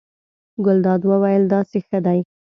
ګلداد وویل: داسې ښه دی.